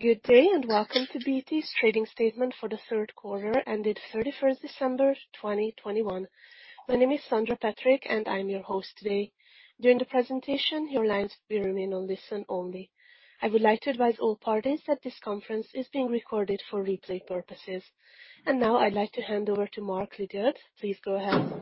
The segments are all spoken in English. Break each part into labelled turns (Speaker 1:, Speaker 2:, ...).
Speaker 1: Good day, and welcome to BT's trading statement for the third quarter, ended December 31st, 2021. My name is Sandra Patrick, and I'm your host today. During the presentation, your lines will remain on listen only. I would like to advise all parties that this conference is being recorded for replay purposes. Now I'd like to hand over to Mark Lidiard. Please go ahead.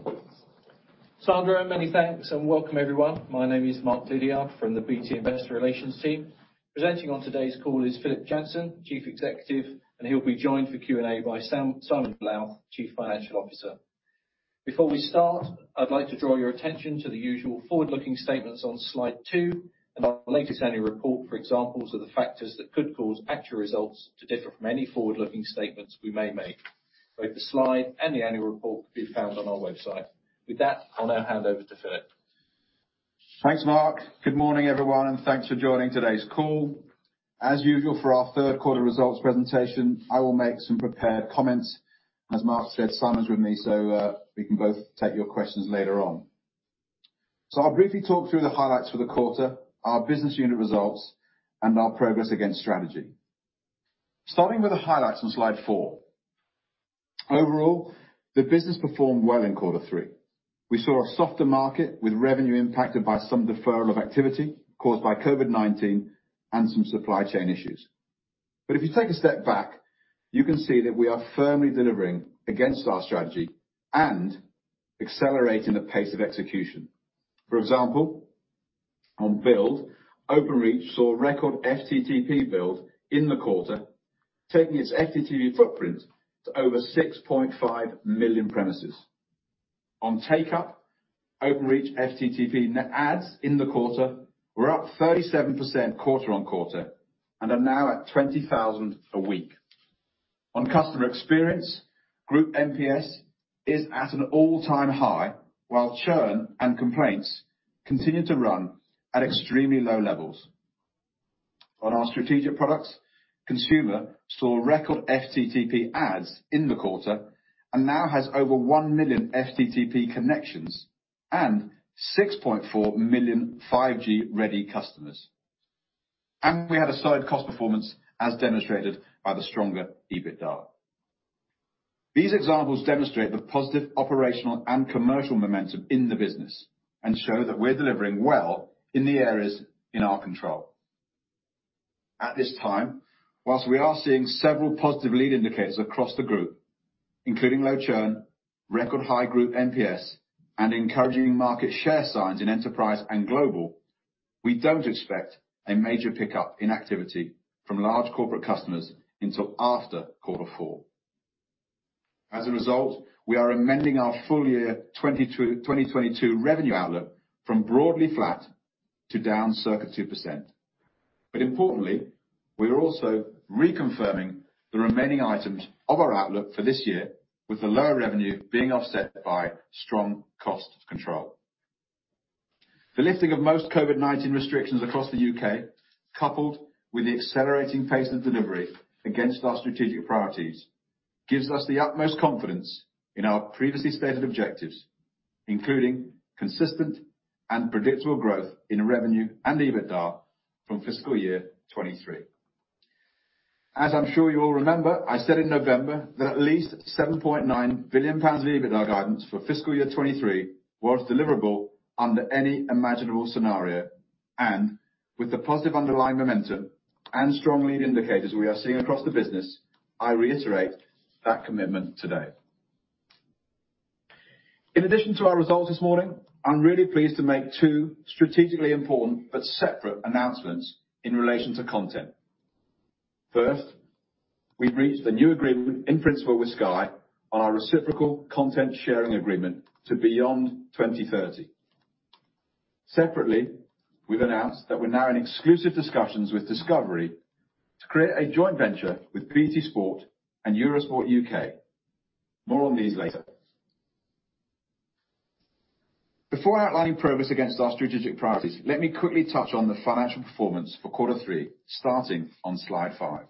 Speaker 2: Sandra, many thanks. Welcome, everyone. My name is Mark Lidiard, from the BT Investor Relations team. Presenting on today's call is Philip Jansen, Chief Executive, and he'll be joined for Q&A by Simon Lowth, Chief Financial Officer. Before we start, I'd like to draw your attention to the usual forward-looking statements on slide two, and our latest annual report for examples of the factors that could cause actual results to differ from any forward-looking statements we may make. Both the slide and the annual report can be found on our website. With that, I'll now hand over to Philip.
Speaker 3: Thanks, Mark. Good morning, everyone, and thanks for joining today's call. As usual for our third quarter results presentation, I will make some prepared comments. As Mark said, Simon's with me, so, we can both take your questions later on. I'll briefly talk through the highlights for the quarter, our business unit results, and our progress against strategy. Starting with the highlights on slide four. Overall, the business performed well in quarter three. We saw a softer market with revenue impacted by some deferral of activity caused by COVID-19 and some supply chain issues. If you take a step back, you can see that we are firmly delivering against our strategy and accelerating the pace of execution. For example, on build, Openreach saw record FTTP build in the quarter, taking its FTTP footprint to over 6.5 million premises. On take up, Openreach FTTP net adds in the quarter were up 37% quarter-on-quarter, and are now at 20,000 a week. On customer experience, group NPS is at an all-time high, while churn and complaints continue to run at extremely low levels. On our strategic products, Consumer saw record FTTP adds in the quarter, and now has over 1 million FTTP connections and 6.4 million 5G-ready customers. We had a solid cost performance, as demonstrated by the stronger EBITDA. These examples demonstrate the positive operational and commercial momentum in the business and show that we're delivering well in the areas in our control. At this time, while we are seeing several positive lead indicators across the group, including low churn, record high group NPS, and encouraging market share signs in Enterprise and Global, we don't expect a major pickup in activity from large corporate customers until after quarter four. As a result, we are amending our full year 2022 revenue outlook from broadly flat to down circa 2%. Importantly, we are also reconfirming the remaining items of our outlook for this year with the lower revenue being offset by strong cost control. The lifting of most COVID-19 restrictions across the U.K., coupled with the accelerating pace of delivery against our strategic priorities, gives us the utmost confidence in our previously stated objectives, including consistent and predictable growth in revenue and EBITDA from fiscal year 2023. As I'm sure you all remember, I said in November that at least 7.9 billion pounds of EBITDA guidance for FY 2023 was deliverable under any imaginable scenario. With the positive underlying momentum and strong lead indicators we are seeing across the business, I reiterate that commitment today. In addition to our results this morning, I'm really pleased to make two strategically important but separate announcements in relation to content. First, we've reached a new agreement in principle with Sky on our reciprocal content sharing agreement to beyond 2030. Separately, we've announced that we're now in exclusive discussions with Discovery to create a joint venture with BT Sport and Eurosport UK. More on these later. Before outlining progress against our strategic priorities, let me quickly touch on the financial performance for Q3, starting on slide five.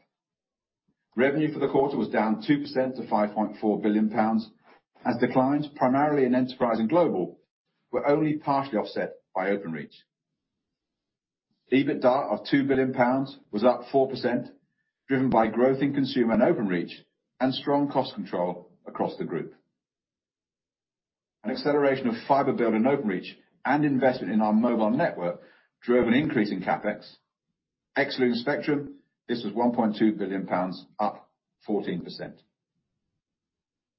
Speaker 3: Revenue for the quarter was down 2% to 5.4 billion pounds, as declines primarily in Enterprise and Global were only partially offset by Openreach. EBITDA of 2 billion pounds was up 4%, driven by growth in Consumer and Openreach and strong cost control across the group. An acceleration of fibre build in Openreach and investment in our mobile network drove an increase in CapEx. Excluding Spectrum, this was GBP 1.2 billion, up 14%.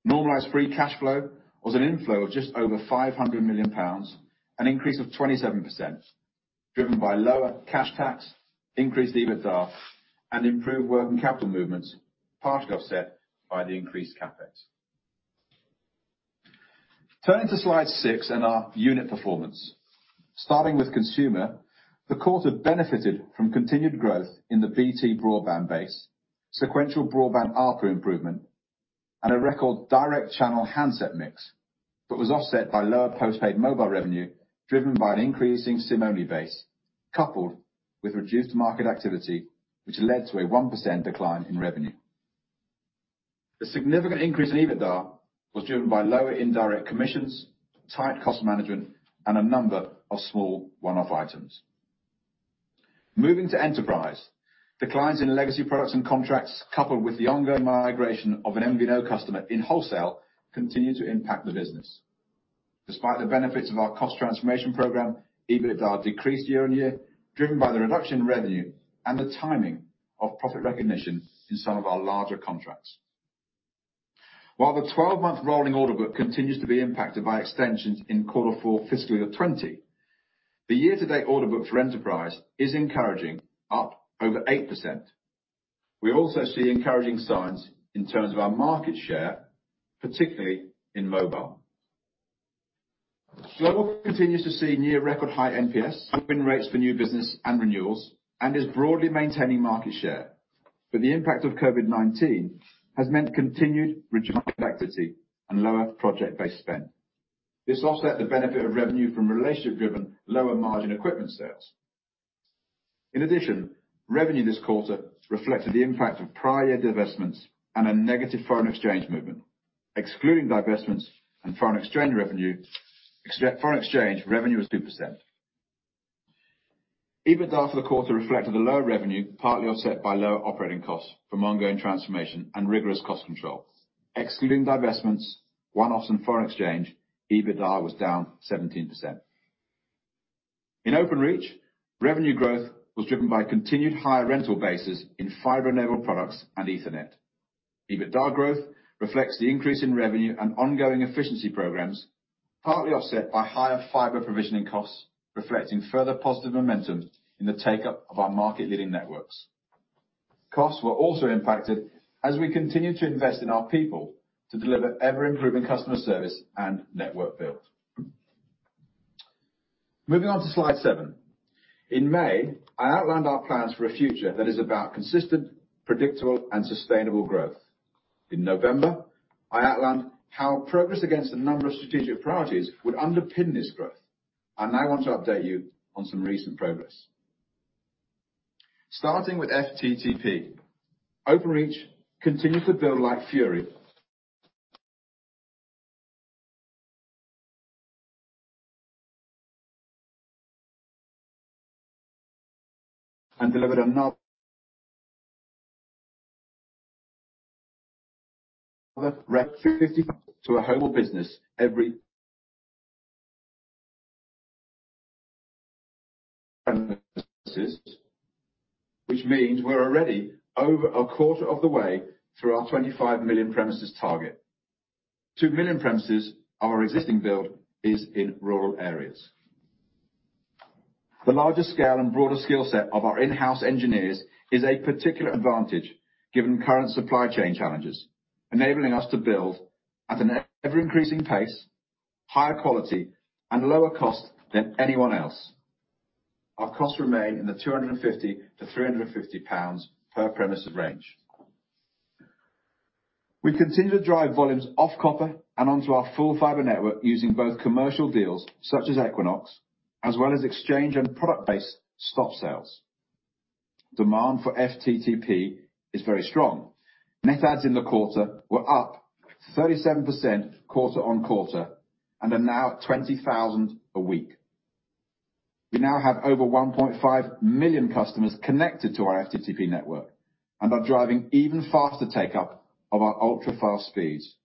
Speaker 3: Normalized Free Cash Flow was an inflow of just over 500 million pounds, an increase of 27%, driven by lower cash tax, increased EBITDA, and improved working capital movements, partially offset by the increased CapEx. Turning to slide 6 and our unit performance. Starting with Consumer, the quarter benefited from continued growth in the BT broadband base, sequential broadband ARPU improvement, and a record direct channel handset mix, but was offset by lower post-paid mobile revenue, driven by an increasing SIM-only base, coupled with reduced market activity, which led to a 1% decline in revenue. The significant increase in EBITDA was driven by lower indirect commissions, tight cost management, and a number of small one-off items. Moving to Enterprise, declines in legacy products and contracts, coupled with the ongoing migration of an MVNO customer in Wholesale, continued to impact the business. Despite the benefits of our cost transformation program, EBITDA decreased year-on-year, driven by the reduction in revenue and the timing of profit recognition in some of our larger contracts. While the 12-month rolling order book continues to be impacted by extensions in quarter four fiscal year 2020, the year-to-date order book for Enterprise is encouraging, up over 8%. We also see encouraging signs in terms of our market share, particularly in mobile. Global continues to see near record high NPS, win rates for new business and renewals, and is broadly maintaining market share. The impact of COVID-19 has meant continued reduced activity and lower project-based spend. This offset the benefit of revenue from relationship-driven lower margin equipment sales. In addition, revenue this quarter reflected the impact of prior year divestments and a negative foreign exchange movement. Excluding divestments and foreign exchange, revenue was 2%. EBITDA for the quarter reflected the lower revenue, partly offset by lower operating costs from ongoing transformation and rigorous cost control. Excluding divestments, one-offs, and foreign exchange, EBITDA was down 17%. In Openreach, revenue growth was driven by continued higher rental bases in fiber-enabled products and Ethernet. EBITDA growth reflects the increase in revenue and ongoing efficiency programs, partly offset by higher fiber provisioning costs, reflecting further positive momentum in the take-up of our market-leading networks. Costs were also impacted as we continue to invest in our people to deliver ever-improving customer service and network build. Moving on to slide seven. In May, I outlined our plans for a future that is about consistent, predictable, and sustainable growth. In November, I outlined how progress against a number of strategic priorities would underpin this growth. I now want to update you on some recent progress. Starting with FTTP, Openreach continued to build like fury and delivered another record 500,000 homes and businesses every premises, which means we're already over a quarter of the way through our 25 million premises target. 2 million premises of our existing build is in rural areas. The larger scale and broader skill set of our in-house engineers is a particular advantage given current supply chain challenges, enabling us to build at an ever increasing pace, higher quality, and lower cost than anyone else. Our costs remain in the 250-350 pounds per premises range. We continue to drive volumes off copper and onto our full fiber network using both commercial deals such as Equinox, as well as exchange and product-based stop sales. Demand for FTTP is very strong. Net adds in the quarter were up 37% quarter-over-quarter and are now at 20,000 a week. We now have over 1.5 million customers connected to our FTTP network and are driving even faster take-up of our ultra-fast speeds.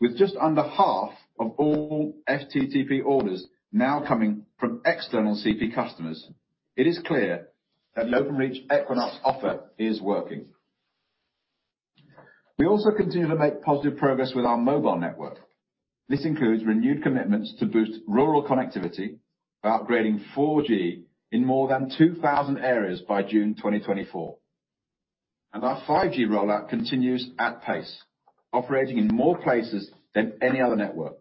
Speaker 3: With just under half of all FTTP orders now coming from external CP customers, it is clear that Openreach Equinox offer is working. We also continue to make positive progress with our mobile network. This includes renewed commitments to boost rural connectivity by upgrading 4G in more than 2,000 areas by June 2024. Our 5G rollout continues at pace, operating in more places than any other network.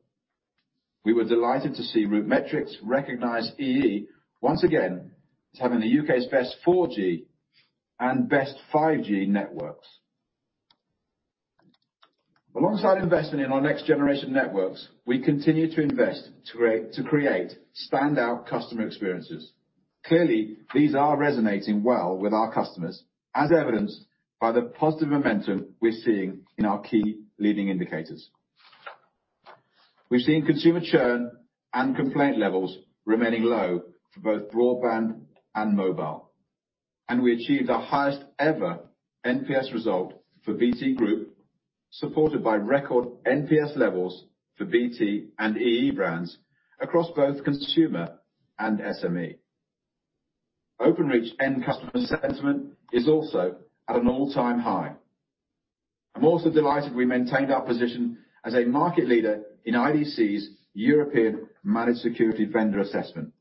Speaker 3: We were delighted to see RootMetrics recognize EE once again as having the U.K.'s best 4G and best 5G networks. Alongside investing in our next generation networks, we continue to invest to create standout customer experiences. Clearly, these are resonating well with our customers, as evidenced by the positive momentum we're seeing in our key leading indicators. We've seen consumer churn and complaint levels remaining low for both broadband and mobile. We achieved our highest ever NPS result for BT Group, supported by record NPS levels for BT and EE brands across both consumer and SME. Openreach end customer sentiment is also at an all-time high. I'm also delighted we maintained our position as a market leader in IDC's European Managed Security Vendor Assessment.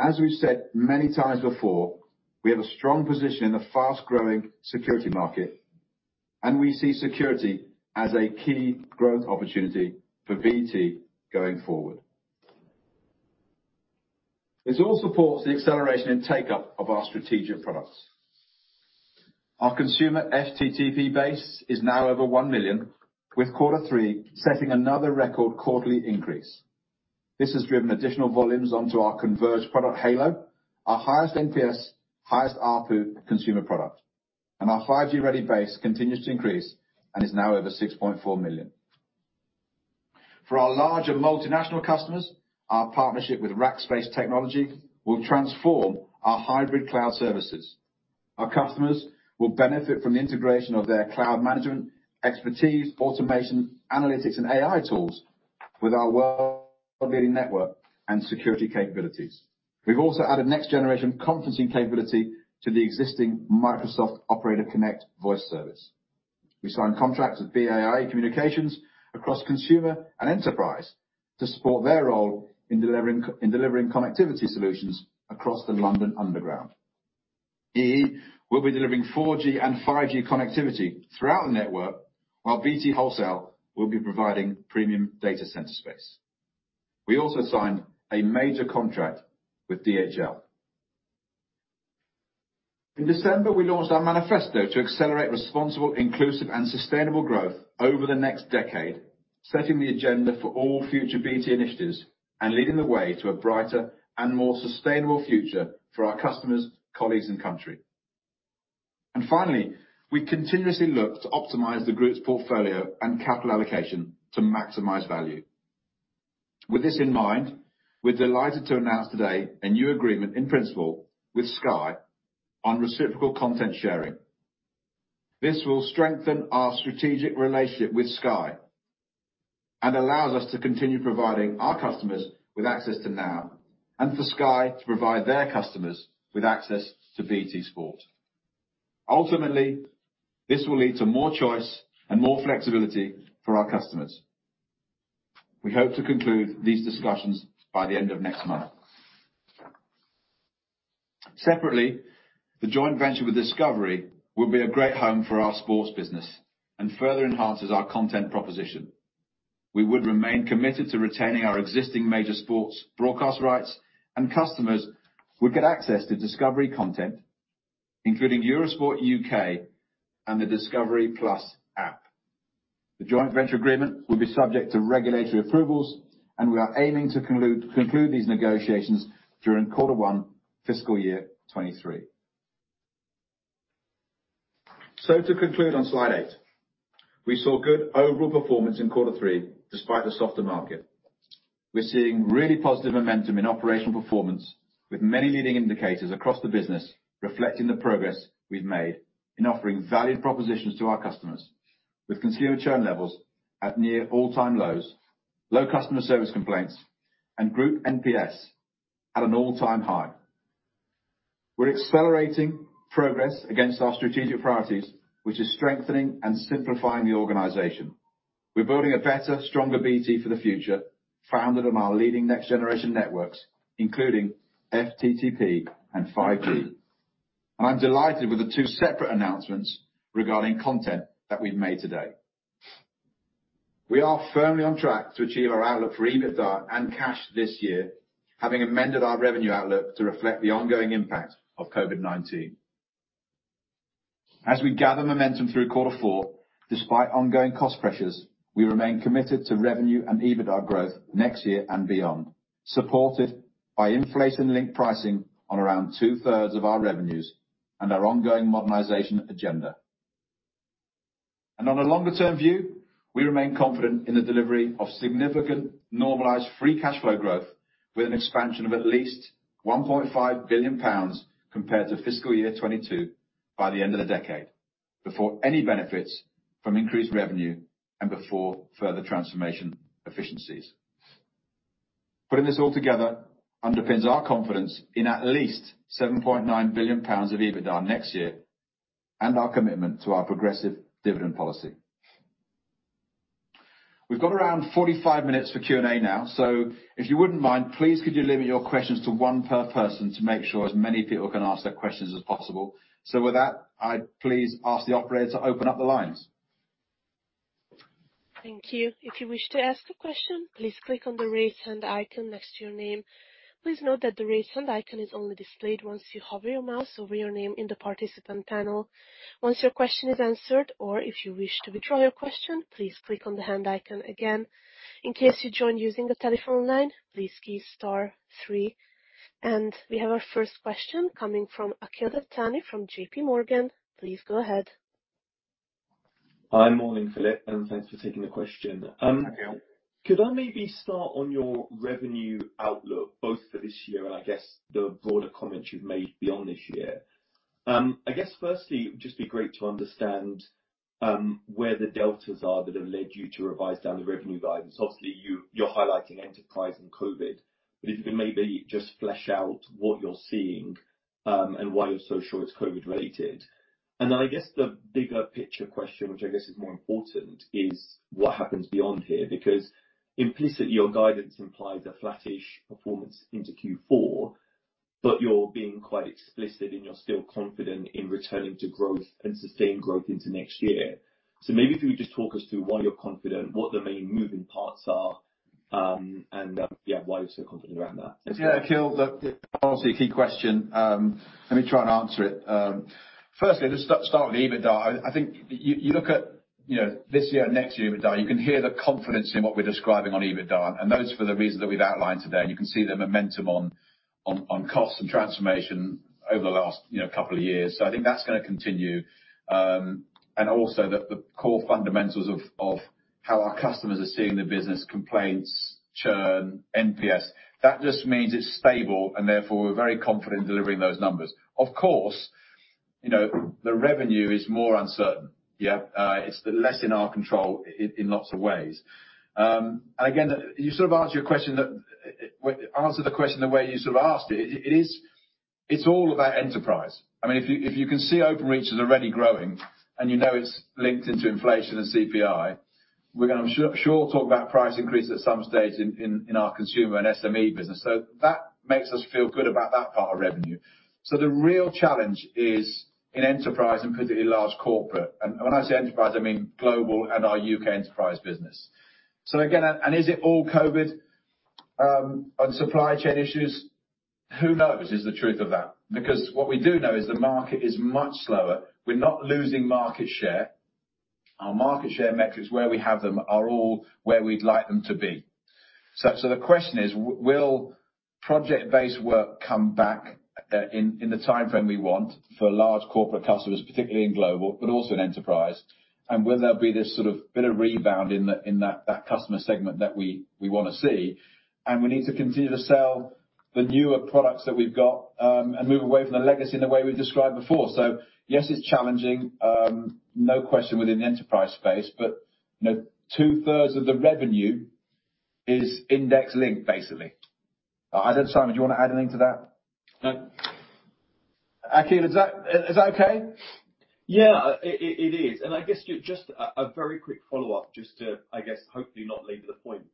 Speaker 3: As we've said many times before, we have a strong position in the fast-growing security market, and we see security as a key growth opportunity for BT going forward. This all supports the acceleration and take-up of our strategic products. Our consumer FTTP base is now over 1 million, with quarter three setting another record quarterly increase. This has driven additional volumes onto our converged product Halo, our highest NPS, highest ARPU consumer product. Our 5G-ready base continues to increase and is now over 6.4 million. For our larger multinational customers, our partnership with Rackspace Technology will transform our hybrid cloud services. Our customers will benefit from the integration of their cloud management expertise, automation, analytics, and AI tools with our world-leading network and security capabilities. We've also added next-generation conferencing capability to the existing Microsoft Operator Connect voice service. We signed contracts with BAI Communications across consumer and enterprise to support their role in delivering connectivity solutions across the London Underground. EE will be delivering 4G and 5G connectivity throughout the network, while BT Wholesale will be providing premium data center space. We also signed a major contract with DHL. In December, we launched our manifesto to accelerate responsible, inclusive, and sustainable growth over the next decade, setting the agenda for all future BT initiatives and leading the way to a brighter and more sustainable future for our customers, colleagues, and country. Finally, we continuously look to optimize the group's portfolio and capital allocation to maximize value. With this in mind, we're delighted to announce today a new agreement in principle with Sky on reciprocal content sharing. This will strengthen our strategic relationship with Sky and allows us to continue providing our customers with access to NOW and for Sky to provide their customers with access to BT Sport. Ultimately, this will lead to more choice and more flexibility for our customers. We hope to conclude these discussions by the end of next month. Separately, the joint venture with Discovery will be a great home for our sports business and further enhances our content proposition. We would remain committed to retaining our existing major sports broadcast rights, and customers would get access to Discovery content, including Eurosport UK and the discovery+ app. The joint venture agreement will be subject to regulatory approvals, and we are aiming to conclude these negotiations during Q1 fiscal year 2023. To conclude on slide eight, we saw good overall performance in quarter three despite the softer market. We're seeing really positive momentum in operational performance, with many leading indicators across the business reflecting the progress we've made in offering valued propositions to our customers. With consumer churn levels at near all-time lows, low customer service complaints, and group NPS at an all-time high. We're accelerating progress against our strategic priorities, which is strengthening and simplifying the organization. We're building a better, stronger BT for the future, founded on our leading next-generation networks, including FTTP and 5G. I'm delighted with the two separate announcements regarding content that we've made today. We are firmly on track to achieve our outlook for EBITDA and cash this year, having amended our revenue outlook to reflect the ongoing impact of COVID-19. As we gather momentum through quarter four, despite ongoing cost pressures, we remain committed to revenue and EBITDA growth next year and beyond, supported by inflation-linked pricing on around two-thirds of our revenues and our ongoing modernization agenda. On a longer-term view, we remain confident in the delivery of significant normalized free cash flow growth with an expansion of at least 1.5 billion pounds compared to fiscal year 2022 by the end of the decade, before any benefits from increased revenue and before further transformation efficiencies. Putting this all together underpins our confidence in at least 7.9 billion pounds of EBITDA next year and our commitment to our progressive dividend policy. We've got around 45 minutes for Q&A now. If you wouldn't mind, please could you limit your questions to one per person to make sure as many people can ask their questions as possible. With that, I'd please ask the operator to open up the lines.
Speaker 1: Thank you. If you wish to ask a question, please click on the Raise Hand icon next to your name. Please note that the Raise Hand icon is only displayed once you hover your mouse over your name in the participant panel. Once your question is answered or if you wish to withdraw your question, please click on the Hand icon again. In case you joined using a telephone line, please key star three. We have our first question coming from Akhil Dattani from JPMorgan. Please go ahead.
Speaker 4: Hi, morning, Philip, and thanks for taking the question.
Speaker 3: Hi, Akhil.
Speaker 4: Could I maybe start on your revenue outlook, both for this year and I guess the broader comments you've made beyond this year? I guess firstly it would just be great to understand where the deltas are that have led you to revise down the revenue guidance. Obviously, you're highlighting enterprise and COVID, but if you could maybe just flesh out what you're seeing and why you're so sure it's COVID related. Then I guess the bigger picture question, which I guess is more important, is what happens beyond here? Because implicitly, your guidance implies a flattish performance into Q4, but you're being quite explicit and you're still confident in returning to growth and sustained growth into next year. Maybe if you could just talk us through why you're confident, what the main moving parts are, and yeah, why you're so confident around that.
Speaker 3: Yeah, Akhil, look, obviously a key question. Let me try and answer it. Firstly, let's start with EBITDA. I think, this year, next year, you can hear the confidence in what we're describing on EBITDA, and that's for the reasons that we've outlined today. You can see the momentum on cost and transformation over the last couple of years. I think that's gonna continue. Also, the core fundamentals of how our customers are seeing the business, complaints, churn, NPS. That just means it's stable and therefore we're very confident delivering those numbers. Of course, you know, the revenue is more uncertain, yeah. It's less in our control in lots of ways. Again, to answer the question the way you sort of asked it. It's all about enterprise. I mean, if you can see Openreach is already growing and it's linked into inflation and CPI, we're gonna, sure, talk about price increase at some stage in our consumer and SME business. That makes us feel good about that part of revenue. The real challenge is in enterprise and particularly large corporate. When I say enterprise, I mean global and our U.K. enterprise business. Again, is it all COVID and supply chain issues? Who knows? That's the truth of that. Because what we do know is the market is much slower. We're not losing market share. Our market share metrics, where we have them, are all where we'd like them to be. The question is will project-based work come back in the timeframe we want for large corporate customers, particularly in global, but also in enterprise, and will there be this sort of bit of rebound in that customer segment that we wanna see. We need to continue to sell the newer products that we've got and move away from the legacy in the way we've described before. Yes, it's challenging, no question within the enterprise space, but 2/3 of the revenue is index-linked, basically. I don't know Simon, do you wanna add anything to that?
Speaker 5: No.
Speaker 3: Akhil, is that okay?
Speaker 4: Yeah. It is. I guess just a very quick follow-up just to, I guess, hopefully not labor the point.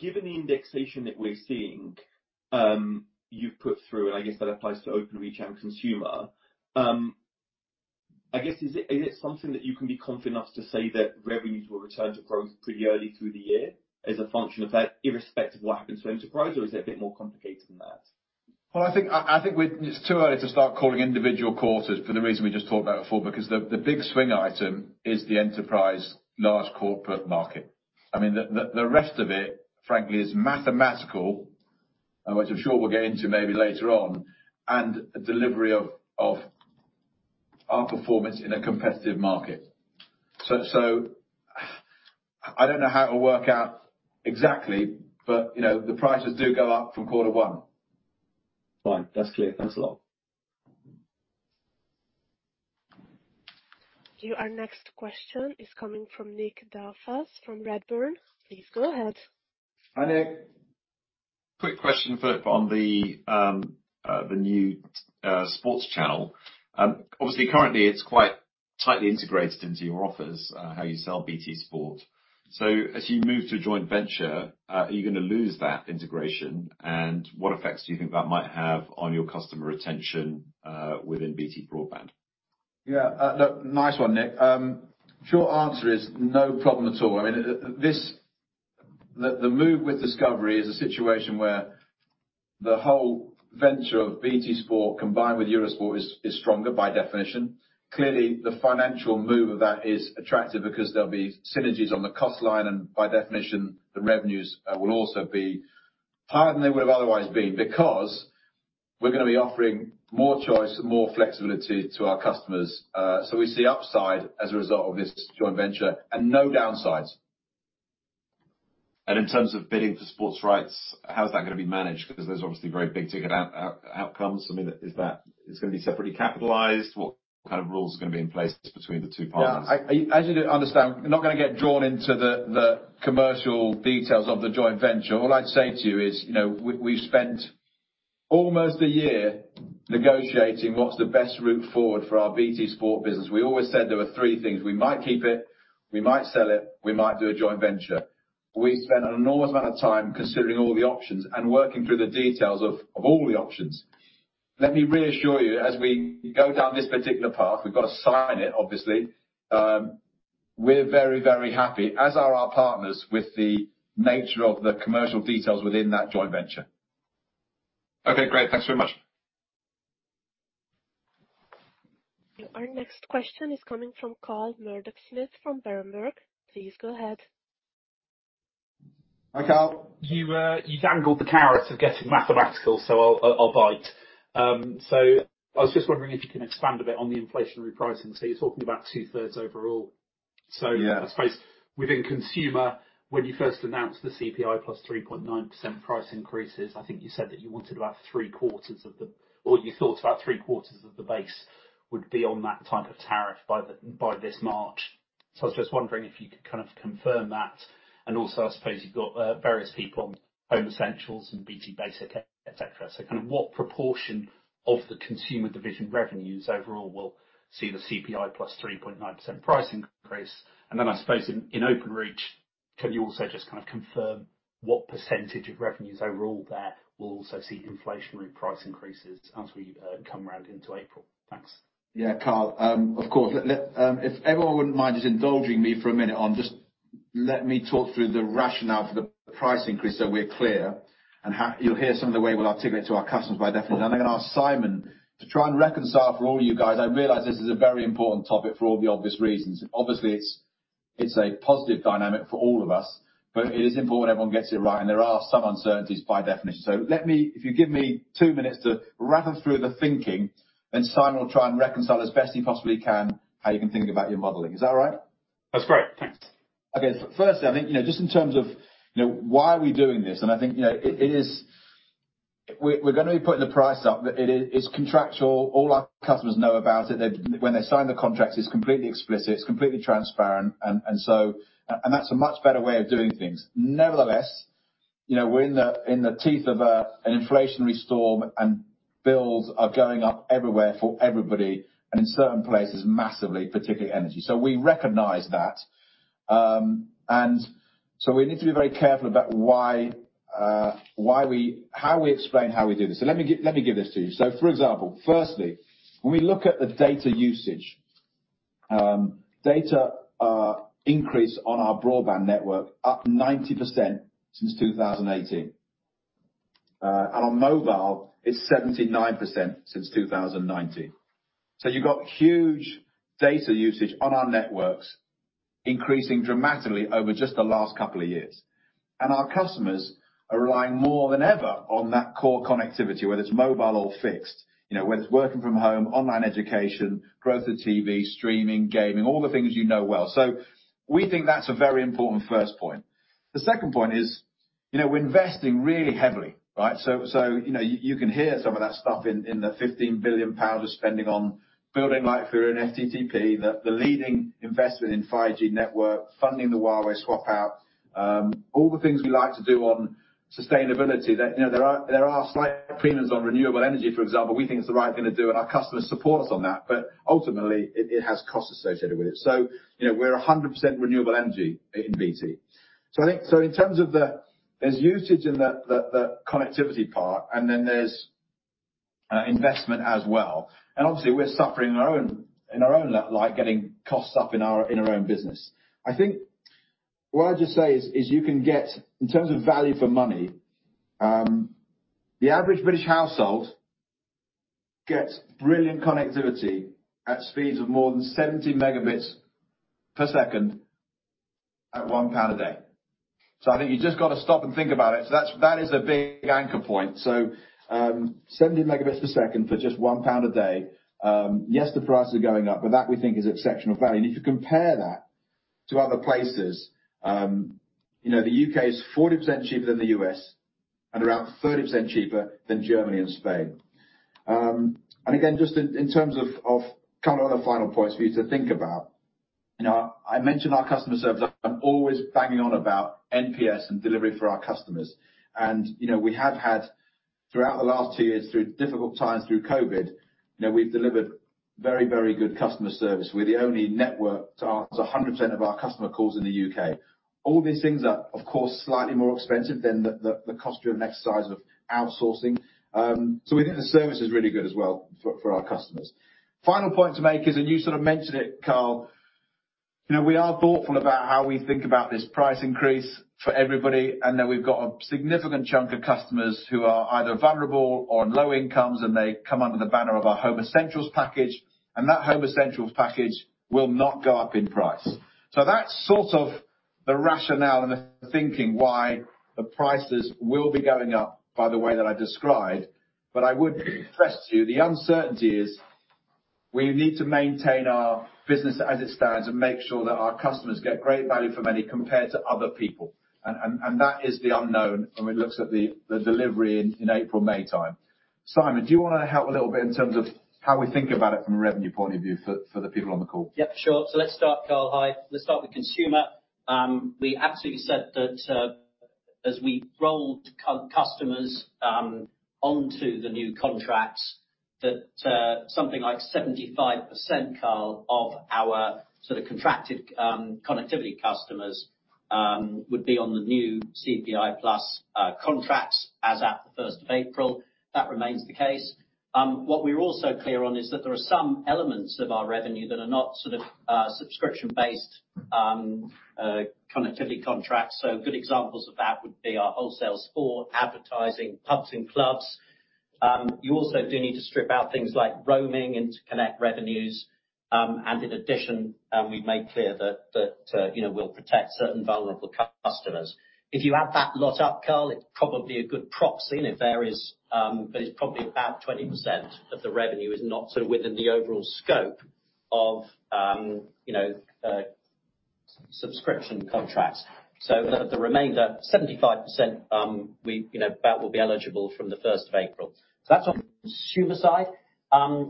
Speaker 4: Given the indexation that we're seeing, you've put through, and I guess that applies to Openreach and consumer, I guess, is it something that you can be confident enough to say that revenues will return to growth pretty early through the year as a function of that irrespective of what happens to enterprise, or is it a bit more complicated than that?
Speaker 3: Well, I think it's too early to start calling individual quarters for the reason we just talked about before, because the big swing item is the enterprise large corporate market. I mean, the rest of it, frankly, is mathematical, and which I'm sure we'll get into maybe later on, and delivery of our performance in a competitive market. I don't know how it will work out exactly, but the prices do go up from quarter one.
Speaker 4: Fine. That's clear. Thanks a lot.
Speaker 1: Our next question is coming from Nick Delfas from Redburn Atlantic. Please go ahead.
Speaker 3: Hi, Nick.
Speaker 6: Quick question on the new sports channel. Obviously currently it's quite tightly integrated into your offers, how you sell BT Sports. As you move to a joint venture, are you gonna lose that integration? What effects do you think that might have on your customer retention within BT Broadband?
Speaker 3: Yeah. Look, nice one, Nick. Short answer is no problem at all. I mean, this. The move with Discovery is a situation where the whole venture of BT Sports combined with Eurosport is stronger by definition. Clearly, the financial move of that is attractive because there'll be synergies on the cost line, and by definition, the revenues will also be higher than they would have otherwise been. Because we're gonna be offering more choice and more flexibility to our customers. We see upside as a result of this joint venture, and no downsides.
Speaker 6: In terms of bidding for sports rights, how's that gonna be managed? Because there's obviously very big-ticket outcomes. I mean, is it gonna be separately capitalized? What kind of rules are gonna be in place between the two parties?
Speaker 3: Yeah. As you do understand, we're not gonna get drawn into the commercial details of the joint venture. All I'd say to you is, we spent almost a year negotiating what's the best route forward for our BT Sports business. We always said there were three things. We might keep it, we might sell it, we might do a joint venture. We spent an enormous amount of time considering all the options and working through the details of all the options. Let me reassure you, as we go down this particular path, we've got to sign it, obviously, we're very, very happy, as are our partners, with the nature of the commercial details within that joint venture.
Speaker 6: Okay, great. Thanks very much.
Speaker 1: Our next question is coming from Carl Murdock-Smith from Berenberg. Please go ahead.
Speaker 3: Hi, Carl.
Speaker 7: You dangled the carrot of getting mathematical, so I'll bite. I was just wondering if you can expand a bit on the inflationary pricing. You're talking about 2/3 overall.
Speaker 3: Yeah.
Speaker 7: I suppose within consumer, when you first announced the CPI plus 3.9% price increases, I think you said that you wanted about three-quarters of the base would be on that type of tariff by this March. I was just wondering if you could kind of confirm that. I suppose you've got various people on Home Essentials and BT Basic, et cetera. What proportion of the consumer division revenues overall will see the CPI plus 3.9% price increase? I suppose in Openreach, can you also just kind of confirm what percentage of revenues overall there will also see inflationary price increases as we come round into April? Thanks.
Speaker 3: Yeah. Carl, of course. If everyone wouldn't mind just indulging me for a minute. Let me talk through the rationale for the price increase so we're clear, and how you'll hear some of the way we'll articulate to our customers by definition. Then I'm gonna ask Simon to try and reconcile for all you guys. I realize this is a very important topic for all the obvious reasons, and obviously it's a positive dynamic for all of us, but it is important everyone gets it right, and there are some uncertainties by definition. If you give me two minutes to rattle through the thinking, and Simon will try and reconcile as best he possibly can, how you can think about your modeling. Is that all right?
Speaker 7: That's great. Thanks.
Speaker 3: Okay. Firstly, I think just in terms of why are we doing this? We're gonna be putting the price up, but it's contractual. All our customers know about it. They, when they sign the contract, it's completely explicit, it's completely transparent. That's a much better way of doing things. Nevertheless, we're in the teeth of an inflationary storm and bills are going up everywhere for everybody, and in certain places massively, particularly energy. We recognize that, and so we need to be very careful about how we explain how we do this. Let me give this to you. For example, firstly, when we look at the data usage, data increase on our broadband network up 90% since 2018, and on mobile it's 79% since 2019. You've got huge data usage on our networks increasing dramatically over just the last couple of years. Our customers are relying more than ever on that core connectivity, whether it's mobile or fixed. Whether it's working from home, online education, growth of TV, streaming, gaming, all the things you know well. We think that's a very important first point. The second point is, we're investing really heavily, right? You can hear some of that stuff in the 15 billion pounds of spending on building fiber and FTTP, the leading investment in 5G network, funding the Huawei swap out. All the things we like to do on sustainability that there are slight premiums on renewable energy, for example. We think it's the right thing to do, and our customers support us on that, but ultimately it has costs associated with it. We're 100% renewable energy in BT. I think in terms of the... There's usage in the connectivity part, and then there's investment as well. Obviously we're suffering on our own, in our own right, getting costs up in our own business. I think what I'd just say is you can get, in terms of value for money, the average British household gets brilliant connectivity at speeds of more than 70 Mbps at 1 pound a day. I think you just gotta stop and think about it. That is a big anchor point. 70 Mbps for just 1 pound a day. Yes, the price is going up, but that we think is exceptional value. If you compare that to other places, the U.K. is 40% cheaper than the U.S., and around 30% cheaper than Germany and Spain. Again, just in terms of kind of other final points for you to think about. I mentioned our customer service. I'm always banging on about NPS and delivery for our customers. We have had throughout the last two years, through difficult times, through COVID, we've delivered very, very good customer service. We're the only network to answer 100% of our customer calls in the U.K. All these things are, of course, slightly more expensive than the cost of an exercise of outsourcing. We think the service is really good as well for our customers. Final point to make is you sort of mentioned it, Carl, we are thoughtful about how we think about this price increase for everybody, and then we've got a significant chunk of customers who are either vulnerable or on low incomes, and they come under the banner of our Home Essentials package, and that Home Essentials package will not go up in price. That's sort of the rationale and the thinking why the prices will be going up by the way that I described, but I would stress to you the uncertainty is we need to maintain our business as it stands and make sure that our customers get great value for money compared to other people. That is the unknown when we looks at the delivery in April-May time. Simon, do you wanna help a little bit in terms of how we think about it from a revenue point of view for the people on the call?
Speaker 5: Yep, sure. Let's start, Carl. Hi. Let's start with consumer. We absolutely said that as we rolled customers onto the new contracts that something like 75%, Carl, of our sort of contracted connectivity customers would be on the new CPI Plus contracts as at the first of April. That remains the case. What we're also clear on is that there are some elements of our revenue that are not sort of subscription-based connectivity contracts. Good examples of that would be our wholesale sports, advertising, pubs and clubs. You also do need to strip out things like roaming, interconnect revenues, and in addition, we've made clear that we'll protect certain vulnerable customers. If you add that lot up, Carl, it's probably a good proxy and it varies, but it's probably about 20% of the revenue is not sort of within the overall scope of, you know, subscription contracts. The remainder, 75%, that will be eligible from April 1st. That's on consumer side.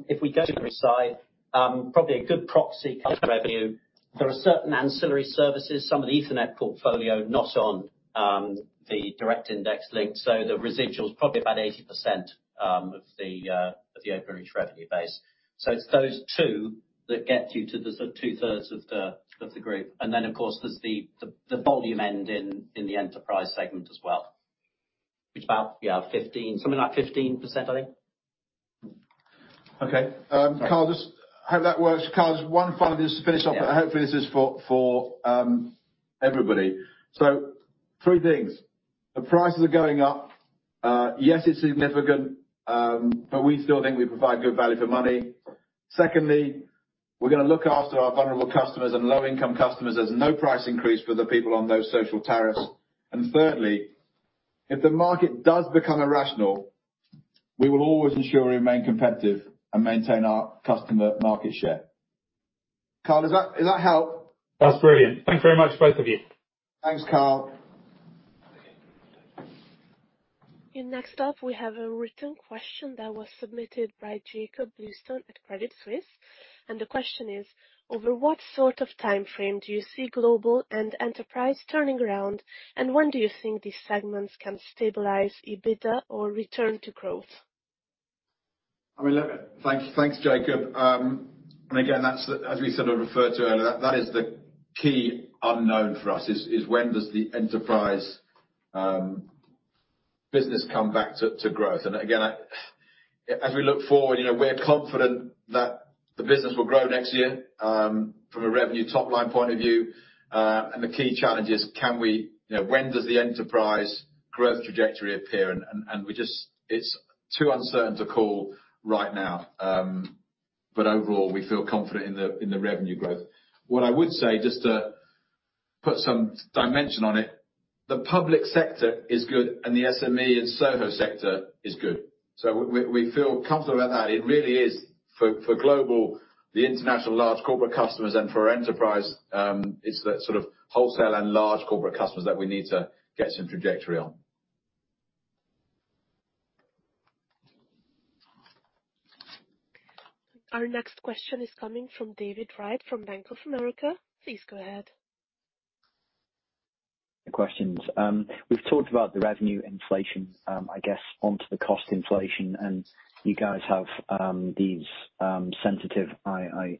Speaker 5: If we go to business side, probably a good proxy revenue. There are certain ancillary services, some of the Ethernet portfolio not on, the direct index link. The residual's probably about 80% of the overall revenue base. It's those two that get you to the sort of 2/3 of the group. Of course, there's the volume, and in the enterprise segment as well, which is about 15%, something like 15%, I think.
Speaker 7: Okay.
Speaker 3: Carl, just hope that works. Carl, just one final to finish up.
Speaker 7: Yeah.
Speaker 3: Hopefully this is for everybody. Three things. The prices are going up. Yes, it's significant, but we still think we provide good value for money. Secondly, we're gonna look after our vulnerable customers and low-income customers. There's no price increase for the people on those social tariffs. Thirdly, if the market does become irrational, we will always ensure we remain competitive and maintain our customer market share. Carl, does that help?
Speaker 7: That's brilliant. Thanks very much, both of you.
Speaker 3: Thanks, Carl.
Speaker 1: Next up, we have a written question that was submitted by Jacob [Houston] at Credit Suisse, and the question is, over what sort of timeframe do you see global and enterprise turning around, and when do you think these segments can stabilize EBITDA or return to growth?
Speaker 3: I mean, look, thanks, Jacob. Again, that's as we said or referred to earlier, that is the key unknown for us, when does the enterprise business come back to growth. Again, as we look forward, we're confident that the business will grow next year from a revenue top-line point of view. The key challenge is can we, you know, when does the enterprise growth trajectory appear. We just. It's too uncertain to call right now. Overall, we feel confident in the revenue growth. What I would say, just to put some dimension on it, the public sector is good and the SME and SoHo sector is good. We feel comfortable about that. It really is for global, the international large corporate customers and for our enterprise, it's that sort of wholesale and large corporate customers that we need to get some trajectory on.
Speaker 1: Our next question is coming from David Wright from Bank of America Merrill Lynch. Please go ahead.
Speaker 8: Questions. We've talked about the revenue inflation, I guess onto the cost inflation and you guys have these sensitive, I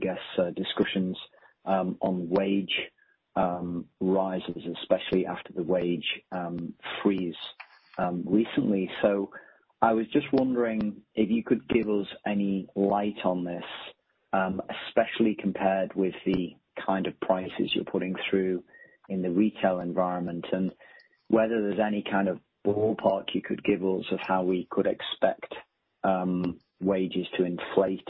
Speaker 8: guess, discussions on wage rises especially after the wage freeze recently. I was just wondering if you could shed any light on this, especially compared with the kind of prices you're putting through in the retail environment, and whether there's any kind of ballpark you could give us of how we could expect wages to inflate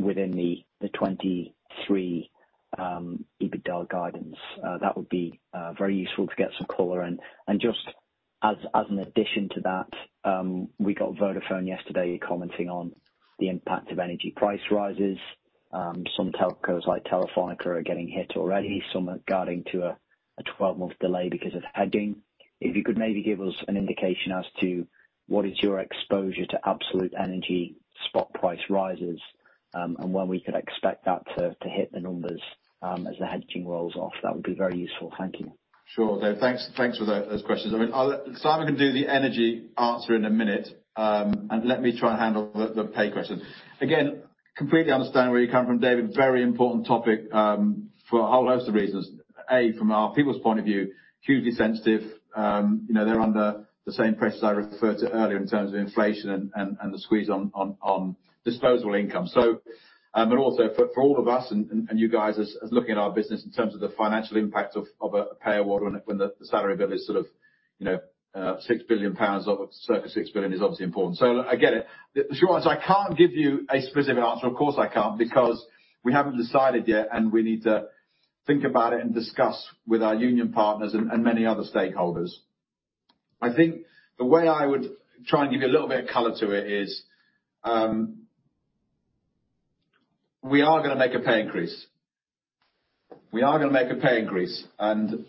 Speaker 8: within the 2023 EBITDA guidance. That would be very useful to get some color. Just as an addition to that, we got Vodafone yesterday commenting on the impact of energy price rises. Some telcos like Telefónica are getting hit already, some are guiding to a 12-month delay because of hedging. If you could maybe give us an indication as to what is your exposure to absolute energy spot price rises, and when we could expect that to hit the numbers, as the hedging rolls off. That would be very useful. Thank you.
Speaker 3: Sure. Thanks for those questions. I mean, Simon can do the energy answer in a minute, and let me try and handle the pay question. I completely understand where you're coming from, David. Very important topic for a whole host of reasons. A, from our people's point of view, hugely sensitive. They're under the same pressures I referred to earlier in terms of inflation and the squeeze on disposable income. But also for all of us and you guys as looking at our business in terms of the financial impact of a pay award when the salary bill is sort of, 6 billion pounds or circa 6 billion is obviously important. Look, I get it. The short answer, I can't give you a specific answer. Of course I can't, because we haven't decided yet, and we need to think about it and discuss with our union partners and many other stakeholders. I think the way I would try and give you a little bit of color to it is, we are gonna make a pay increase, and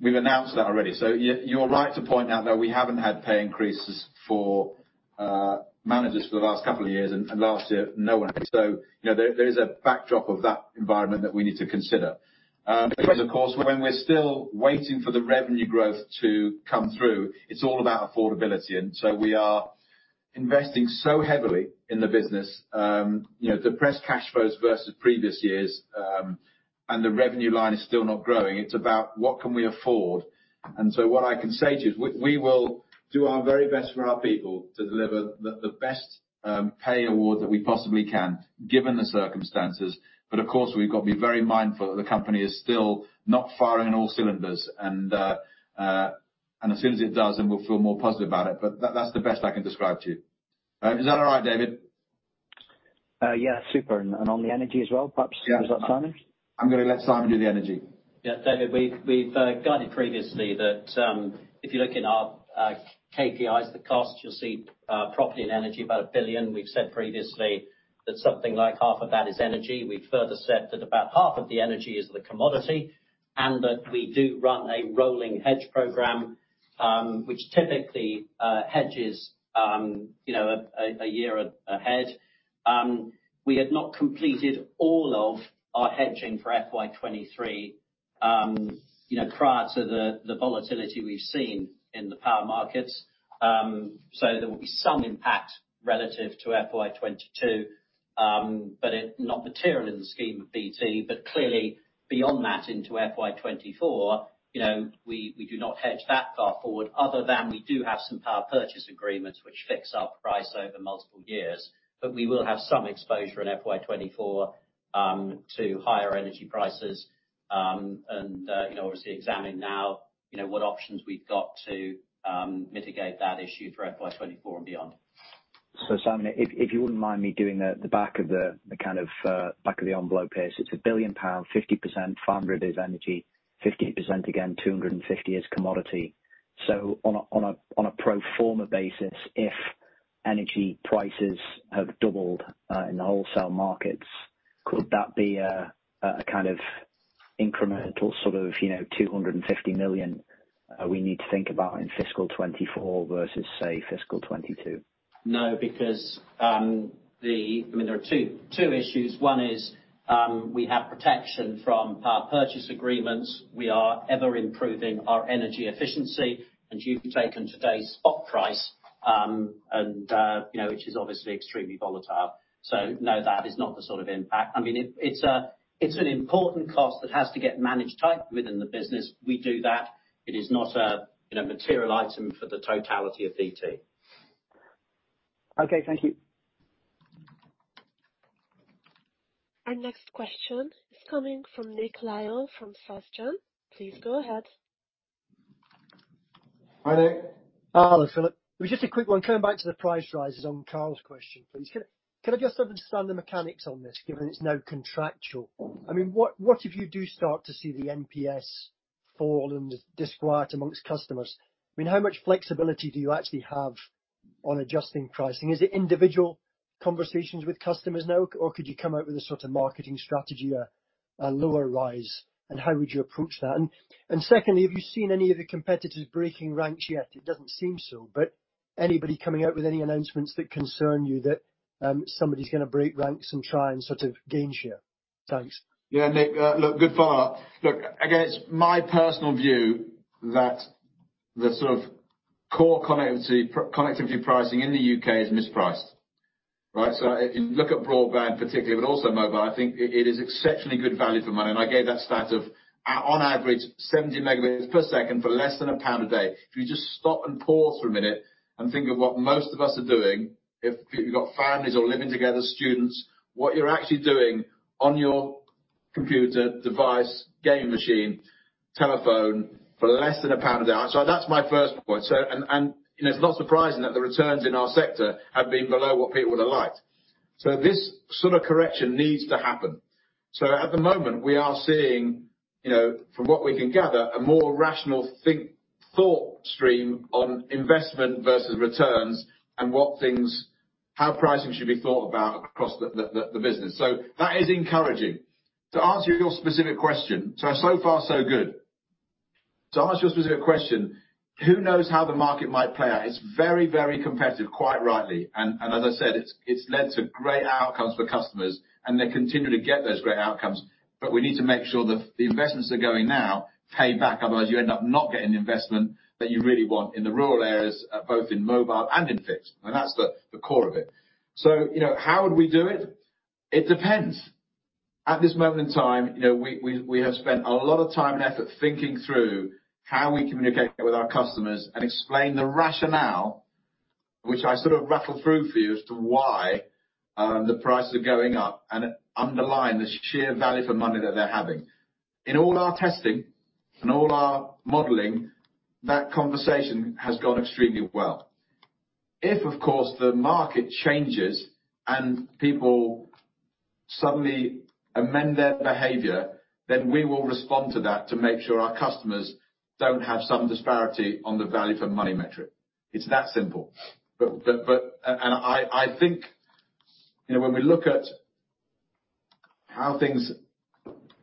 Speaker 3: we've announced that already. You're right to point out that we haven't had pay increases for managers for the last couple of years and last year, no one. There is a backdrop of that environment that we need to consider. Of course, when we're still waiting for the revenue growth to come through, it's all about affordability. We are investing so heavily in the business, depressed cash flows versus previous years, and the revenue line is still not growing. It's about what can we afford. What I can say to you is we will do our very best for our people to deliver the best pay award that we possibly can, given the circumstances. Of course, we've got to be very mindful that the company is still not firing on all cylinders. As soon as it does, then we'll feel more positive about it. That's the best I can describe to you. Is that all right, David?
Speaker 8: Yeah. Super. On the energy as well, perhaps. Is that Simon?
Speaker 3: I'm gonna let Simon do the energy.
Speaker 5: Yeah. David, we've guided previously that if you look in our KPIs, the cost, you'll see property and energy about 1 billion. We've said previously that something like half of that is energy. We've further said that about half of the energy is the commodity, and that we do run a rolling hedge program, which typically hedges a year ahead. We had not completed all of our hedging for FY 2023 prior to the volatility we've seen in the power markets. There will be some impact relative to FY 2022. Not material in the scheme of BT, but clearly beyond that into FY 2024, we do not hedge that far forward other than we do have some power purchase agreements which fix our price over multiple years. We will have some exposure in FY 2024 to higher energy prices, and obviously we're examining now, what options we've got to mitigate that issue for FY 2024 and beyond.
Speaker 8: Simon, if you wouldn't mind me doing the back of the envelope here. It's 1 billion pound, 50%, 500 million is energy, 50% again, 250 million is commodity. On a pro forma basis, if energy prices have doubled in the wholesale markets, could that be a kind of incremental sort of, 250 million we need to think about in fiscal 2024 versus, say, fiscal 2022?
Speaker 5: No, because I mean, there are two issues. One is, we have protection from our purchase agreements. We are ever improving our energy efficiency. You've taken today's spot price, which is obviously extremely volatile. No, that is not the sort of impact. I mean, it's an important cost that has to get managed tightly within the business. We do that. It is not a material item for the totality of BT.
Speaker 8: Okay, thank you.
Speaker 1: Our next question is coming from Nick Lyall from. Please go ahead.
Speaker 3: Hi, Nick.
Speaker 9: Hello, Philip. It was just a quick one. Coming back to the price rises on Carl's question, please. Can I just understand the mechanics on this, given it's now contractual? I mean, what if you do start to see the NPS fall and disquiet amongst customers? I mean, how much flexibility do you actually have on adjusting pricing? Is it individual conversations with customers now, or could you come out with a sort of marketing strategy, a lower rise, and how would you approach that? And secondly, have you seen any of the competitors breaking ranks yet? It doesn't seem so, but anybody coming out with any announcements that concern you that somebody's gonna break ranks and try and sort of gain share? Thanks.
Speaker 3: Yeah, Nick. Look, good follow-up. Look, again, it's my personal view that the sort of core connectivity, pre-connectivity pricing in the U.K. is mispriced, right? If you look at broadband particularly, but also mobile, I think it is exceptionally good value for money. I gave that stat of on average 70 Mbps for less than GBP 1 a day. If you just stop and pause for a minute and think of what most of us are doing, if you've got families or living together, students, what you're actually doing on your computer, device, game machine, telephone for less than GBP 1 a day. That's my first point. It's not surprising that the returns in our sector have been below what people would have liked. This sort of correction needs to happen. At the moment, we are seeing, from what we can gather, a more rational thought stream on investment versus returns and how pricing should be thought about across the business. That is encouraging. To answer your specific question, so far so good. To answer your specific question, who knows how the market might play out? It's very, very competitive, quite rightly. As I said, it's led to great outcomes for customers, and they continue to get those great outcomes. We need to make sure that the investments are going now pay back. Otherwise, you end up not getting the investment that you really want in the rural areas, both in mobile and in fixed. That's the core of it. How would we do it? It depends. At this moment in time, we have spent a lot of time and effort thinking through how we communicate with our customers and explain the rationale, which I sort of rattled through for you as to why the prices are going up and underline the sheer value for money that they're having. In all our testing and all our modeling, that conversation has gone extremely well. If, of course, the market changes and people suddenly amend their behavior, then we will respond to that to make sure our customers don't have some disparity on the value for money metric. It's that simple. I think, when we look at how things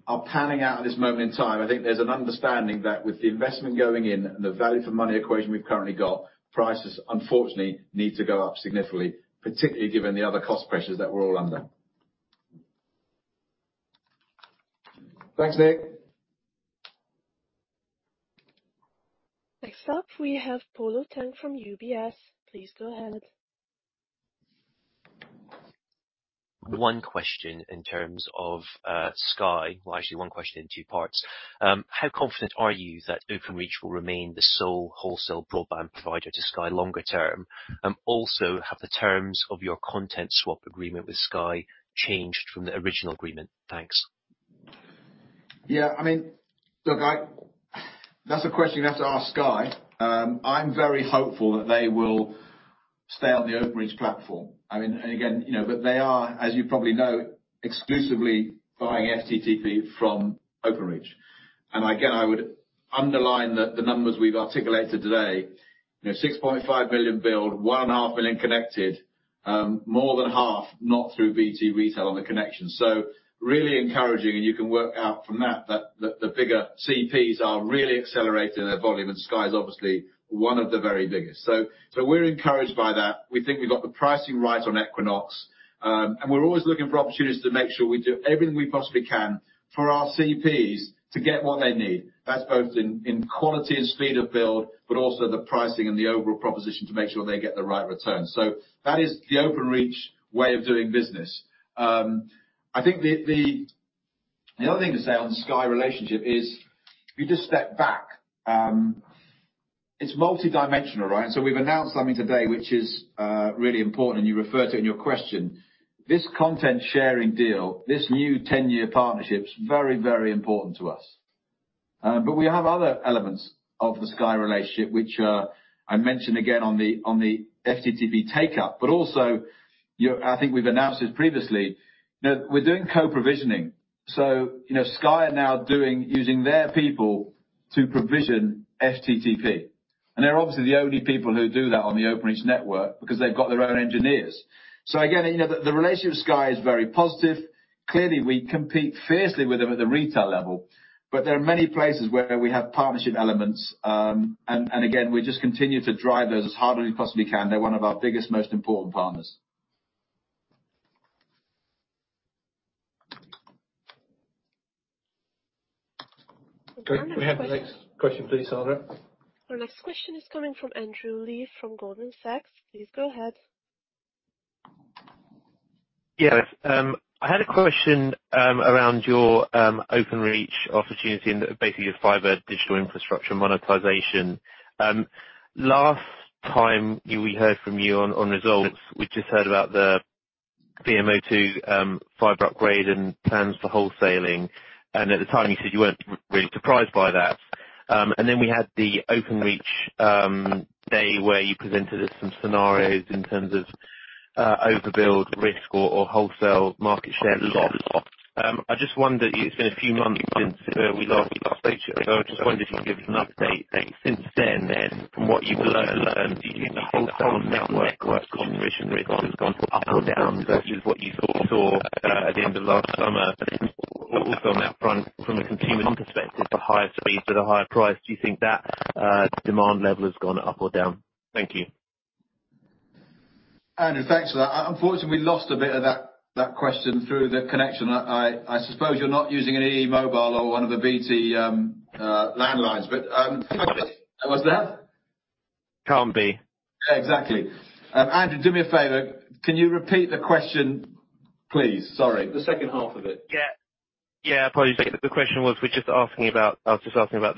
Speaker 3: are panning out at this moment in time, I think there's an understanding that with the investment going in and the value for money equation we've currently got, prices unfortunately need to go up significantly, particularly given the other cost pressures that we're all under. Thanks, Nick.
Speaker 1: Next up, we have Polo Tang from UBS. Please go ahead.
Speaker 10: One question in terms of Sky. Well, actually one question in two parts. How confident are you that Openreach will remain the sole wholesale broadband provider to Sky longer term? And also, have the terms of your content swap agreement with Sky changed from the original agreement? Thanks.
Speaker 3: Yeah, I mean, look, That's a question you have to ask Sky. I'm very hopeful that they will stay on the Openreach platform. I mean, again, you know, but they are, as you probably know, exclusively buying FTTP from Openreach. Again, I would underline that the numbers we've articulated today, 6.5 billion build, 1.5 billion connected, more than half not through BT Retail on the connection. Really encouraging, and you can work out from that that the bigger CPs are really accelerating their volume, and Sky is obviously one of the very biggest. We're encouraged by that. We think we've got the pricing right on Equinox. We're always looking for opportunities to make sure we do everything we possibly can for our CPs to get what they need. That's both in quality and speed of build, but also the pricing and the overall proposition to make sure they get the right return. That is the Openreach way of doing business. I think the other thing to say on the Sky relationship is if you just step back, it's multidimensional, right? We've announced something today which is really important, and you referred to it in your question. This content sharing deal, this new 10-year partnership is very, very important to us. But we have other elements of the Sky relationship, which are I mention again on the FTTP take-up, but also, I think we've announced it previously, that we're doing co-provisioning. Sky are now doing using their people to provision FTTP. They're obviously the only people who do that on the Openreach network because they've got their own engineers. Again, the relationship with Sky is very positive. Clearly, we compete fiercely with them at the retail level, but there are many places where we have partnership elements. Again, we just continue to drive those as hard as we possibly can. They're one of our biggest, most important partners.
Speaker 1: Our next question.
Speaker 3: Can we have the next question please, Sandra?
Speaker 1: Our next question is coming from Andrew Lee from Goldman Sachs. Please go ahead.
Speaker 11: Yes. I had a question around your Openreach opportunity and basically your fiber digital infrastructure monetization. Last time we heard from you on results, we just heard about the VMO2 fiber upgrade and plans for wholesaling, and at the time you said you weren't really surprised by that. Then we had the Openreach day where you presented us some scenarios in terms of overbuild risk or wholesale market share loss. I just wonder, it's been a few months since we last spoke to you. I just wondered if you could give us an update since then from what you've learned. Do you see wholesale network competition risk has gone up or down versus what you thought or at the end of last summer? Also on that front from a consumer perspective, for higher speeds at a higher price, do you think that demand level has gone up or down? Thank you.
Speaker 3: Andrew, thanks for that. Unfortunately, we lost a bit of that question through the connection. I suppose you're not using any mobile or one of the BT landlines, but-
Speaker 11: Can't be.
Speaker 3: What's that?
Speaker 11: Can't be.
Speaker 3: Exactly. Andrew, do me a favor. Can you repeat the question, please? Sorry, the second half of it.
Speaker 11: Yeah. Yeah, apologies. The question was, we're just asking about. I was just asking about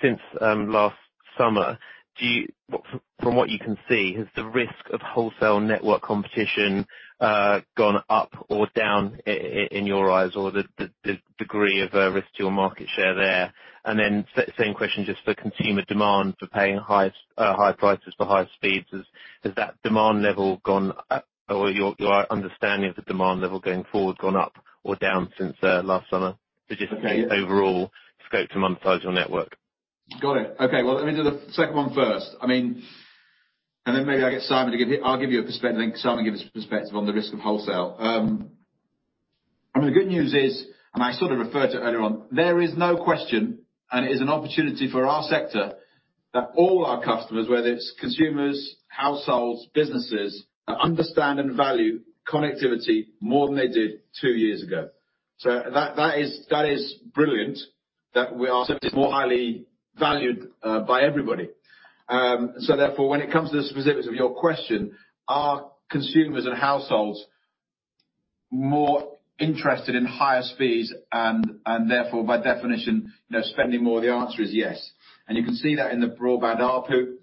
Speaker 11: since last summer. From what you can see, has the risk of wholesale network competition gone up or down in your eyes or the degree of risk to your market share there? Same question just for consumer demand for paying higher prices for higher speeds. Has that demand level gone up? Or your understanding of the demand level going forward gone up or down since last summer? Just overall scope to monetize your network.
Speaker 3: Got it. Okay. Well, let me do the second one first. I'll give you a perspective, then Simon give us perspective on the risk of wholesale. The good news is, and I sort of referred to it earlier on, there is no question, and it is an opportunity for our sector, that all our customers, whether it's consumers, households, businesses, understand and value connectivity more than they did two years ago. That is brilliant that we are certainly more highly valued by everybody. Therefore, when it comes to the specifics of your question, are consumers and households more interested in higher speeds and therefore by definition they're spending more? The answer is yes. You can see that in the broadband ARPU,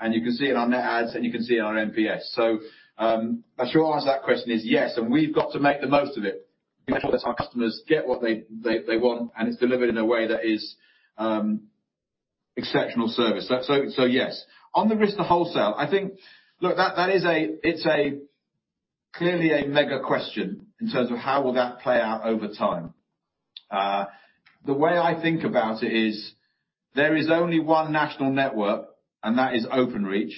Speaker 3: and you can see it on net adds, and you can see it on our NPS. The short answer to that question is yes, and we've got to make the most of it. Make sure that our customers get what they want, and it's delivered in a way that is exceptional service. Yes. On the risk of wholesale, I think. Look, that is clearly a mega question in terms of how will that play out over time. The way I think about it is there is only one national network, and that is Openreach.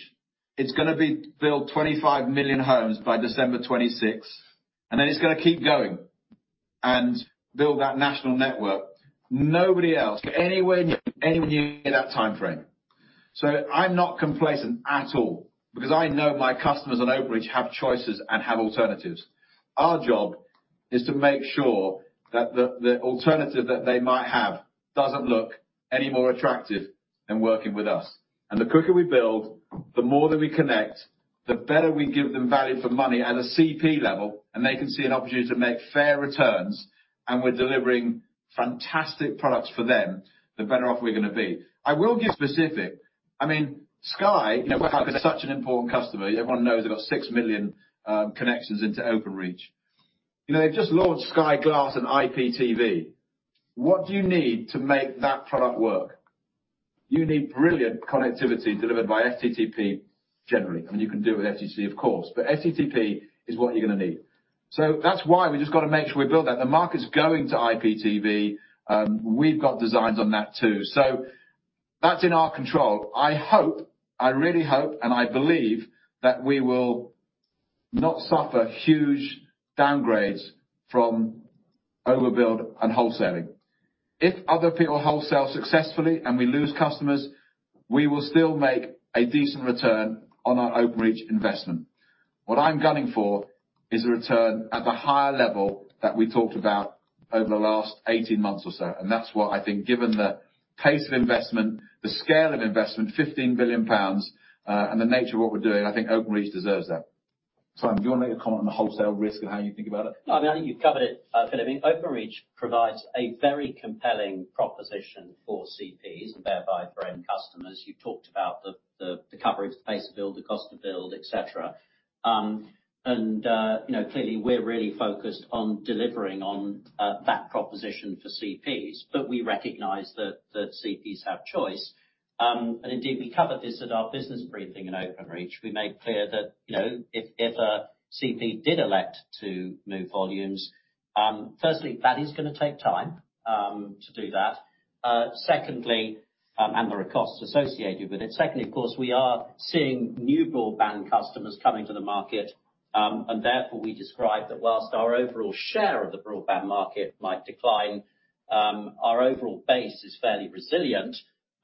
Speaker 3: It's gonna be built 25 million homes by December 2026, and then it's gonna keep going and build that national network. Nobody else anywhere near that timeframe. I'm not complacent at all because I know my customers on Openreach have choices and have alternatives. Our job is to make sure that the alternative that they might have doesn't look any more attractive than working with us. The quicker we build, the more that we connect, the better we give them value for money at a CP level, and they can see an opportunity to make fair returns, and we're delivering fantastic products for them, the better off we're gonna be. I will give specific. I mean, Skysuch an important customer. Everyone knows they've got 6 million connections into Openreach. You know, they've just launched Sky Glass and IPTV. What do you need to make that product work? You need brilliant connectivity delivered by FTTP generally. I mean, you can do it with SOGEA, of course, but FTTP is what you're gonna need. That's why we just gotta make sure we build that. The market is going to IPTV. We've got designs on that too. That's in our control. I hope, I really hope, and I believe that we will not suffer huge downgrades from overbuild and wholesaling. If other people wholesale successfully and we lose customers, we will still make a decent return on our Openreach investment. What I'm gunning for is a return at the higher level that we talked about over the last 18 months or so. That's why I think, given the pace of investment, the scale of investment, 15 billion pounds, and the nature of what we're doing, I think Openreach deserves that. Simon, do you wanna make a comment on the wholesale risk and how you think about it?
Speaker 5: No, I think you've covered it, Philip. Openreach provides a very compelling proposition for CPs and thereby, for end customers. You talked about the coverage pace build, the cost to build, et cetera. Clearly we're really focused on delivering on that proposition for CPs, but we recognize that CPs have choice. Indeed, we covered this at our business briefing in Openreach. We made clear that, if a CP did elect to move volumes, firstly, that is gonna take time to do that. Secondly, there are costs associated with it. Of course, we are seeing new broadband customers coming to the market, and therefore, we describe that while our overall share of the broadband market might decline, our overall base is fairly resilient.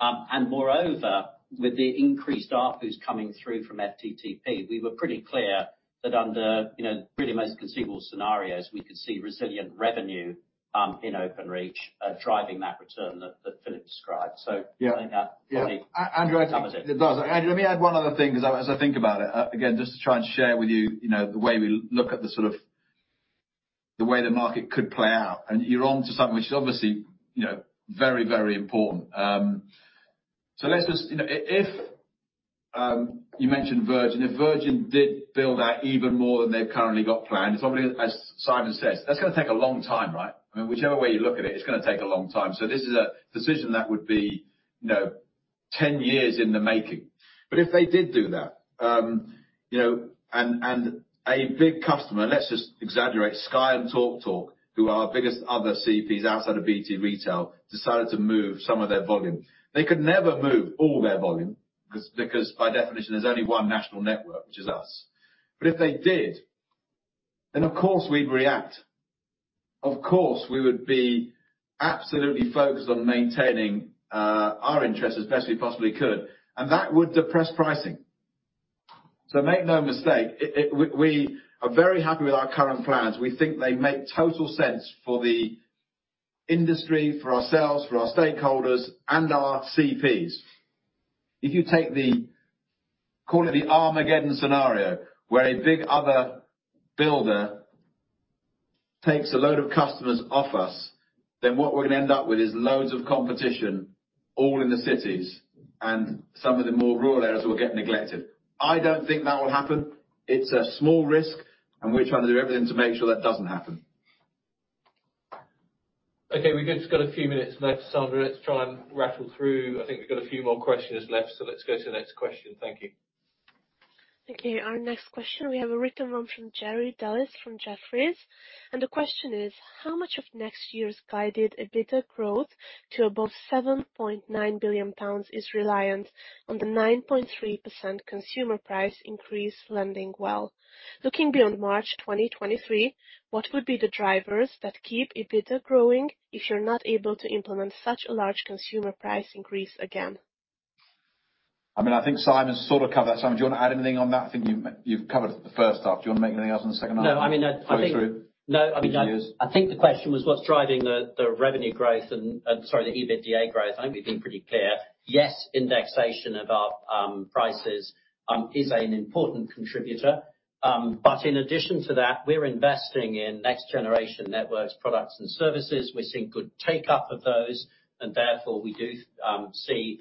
Speaker 5: Moreover, with the increased ARPU coming through from FTTP, we were pretty clear that under you know really most conceivable scenarios, we could see resilient revenue in Openreach driving that return that Philip described. I think that really covers it.
Speaker 3: Andrew, it does. Let me add one other thing as I think about it. Again, just to try and share with you know, the way we look at the way the market could play out, and you're onto something which is obviously, very, very important. Let's just, if you mentioned Virgin. If Virgin did build out even more than they've currently got planned, it's obviously, as Simon says, that's gonna take a long time, right? I mean, whichever way you look at it's gonna take a long time. This is a decision that would be, 10 years in the making. If they did do that, and a big customer, let's just exaggerate, Sky and TalkTalk, who are our biggest other CPs outside of BT Retail, decided to move some of their volume. They could never move all their volume because by definition, there's only one national network, which is us. If they did, then of course we'd react. Of course, we would be absolutely focused on maintaining our interest as best we possibly could, and that would depress pricing. Make no mistake. We are very happy with our current plans. We think they make total sense for the industry, for ourselves, for our stakeholders and our CPs. If you take the, call it the Armageddon scenario, where a big other builder takes a load of customers off us, then what we're gonna end up with is loads of competition all in the cities and some of the more rural areas will get neglected. I don't think that will happen. It's a small risk, and we're trying to do everything to make sure that doesn't happen.
Speaker 2: Okay, we just got a few minutes left, Sandra. Let's try and rattle through. I think we've got a few more questions left, so let's go to the next question. Thank you.
Speaker 1: Okay, our next question, we have a written one from Jerry Dellis from Jefferies, and the question is: How much of next year's guided EBITDA growth to above 7.9 billion pounds is reliant on the 9.3% consumer price increase landing well? Looking beyond March 2023, what would be the drivers that keep EBITDA growing if you're not able to implement such a large consumer price increase again?
Speaker 3: I mean, I think Simon's sort of covered that. Simon, do you wanna add anything on that? I think you've covered the first half. Do you wanna make anything else on the second half?
Speaker 5: No, I mean, I think the question was what's driving the revenue growth and sorry, the EBITDA growth. I think we've been pretty clear. Yes, indexation of our prices is an important contributor. In addition to that, we're investing in next generation networks, products and services. We're seeing good take-up of those, and therefore, we do see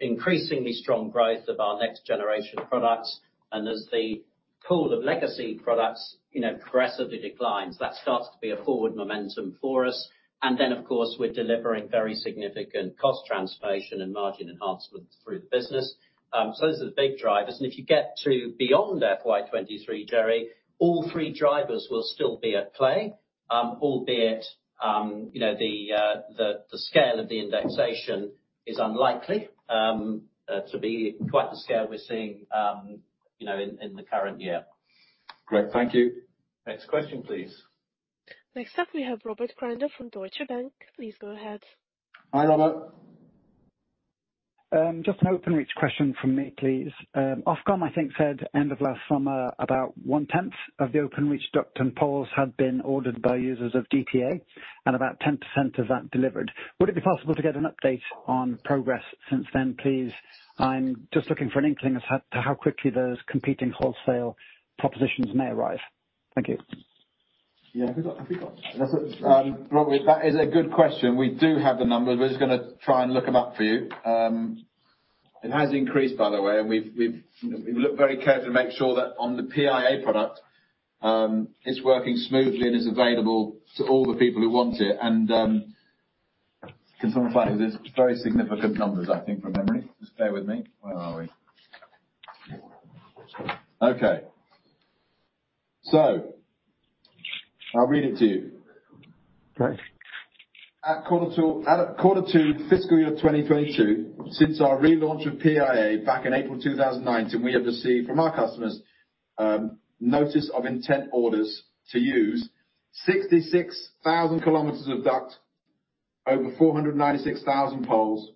Speaker 5: increasingly strong growth of our next generation products. As the pool of legacy products, progressively declines, that starts to be a forward momentum for us. Then, of course, we're delivering very significant cost transformation and margin enhancement through the business. So those are the big drivers. If you get to beyond FY 2023, Jerry, all three drivers will still be at play. Albeit, the scale of the indexation is unlikely to be quite the scale we're seeing, in the current year.
Speaker 3: Great. Thank you. Next question, please.
Speaker 1: Next up, we have Robert Grindle from Deutsche Bank. Please go ahead.
Speaker 3: Hi, Robert.
Speaker 12: Just an Openreach question from me, please. Ofcom, I think, said end of last summer, about 1/10 of the Openreach duct and poles had been ordered by users of DPA and about 10% of that delivered. Would it be possible to get an update on progress since then, please? I'm just looking for an inkling as to how quickly those competing wholesale propositions may arrive. Thank you.
Speaker 3: Robert, that is a good question. We do have the numbers. We're just gonna try and look them up for you. It has increased, by the way, and we've looked very carefully to make sure that on the PIA product, it's working smoothly and is available to all the people who want it. Confirm the fact that there's very significant numbers, I think, from memory. Just bear with me. Where are we? Okay. I'll read it to you.
Speaker 12: Great.
Speaker 3: At quarter two fiscal year 2022, since our relaunch of PIA back in April 2019, we have received from our customers notice of intent orders to use 66,000 km of duct. Over 496,000 poles,